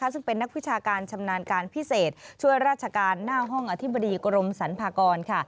ซึ่งเป็นนักวิชาการชำนาญการพิเศษช่วยราชการหน้าห้องอธิบดีกรมสรรพากร